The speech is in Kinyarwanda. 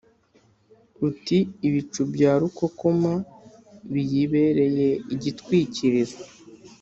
uti ‘ibicu bya rukokoma biyibereye igitwikirizo